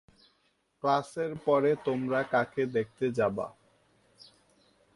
ক্লাসের পরে তোমরা কাকে দেখতে যাবা?